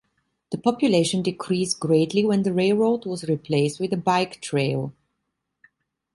The population decreased greatly when the railroad was replaced with a bike trail.